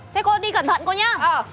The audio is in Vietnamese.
thế cô đi cẩn thận cô nhá